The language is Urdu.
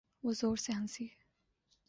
وہ زور سے ہنسی۔